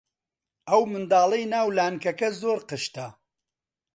ئەو منداڵەی ناو لانکەکە زۆر قشتە.